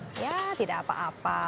ya tidak apa apa